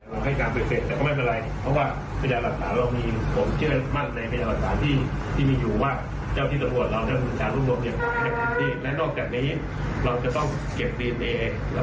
และก็เหลือที่จะลูกรวมหลักฐานได้เป็นกันดีกับเรา